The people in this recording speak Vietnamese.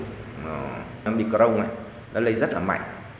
còn micron nó lây rất là mạnh